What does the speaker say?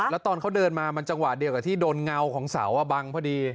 แล้วตอนเขาเดินมามันจังหวะเดียวกับที่โดนเงาของเสาบังพอดี